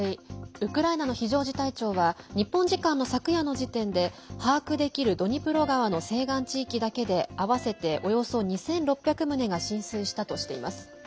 ウクライナの非常事態庁は日本時間の昨夜の時点で把握できるドニプロ川の西岸地域だけで合わせて、およそ２６００棟が浸水したとしています。